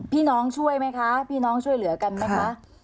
ช่วยไหมคะพี่น้องช่วยเหลือกันไหมคะ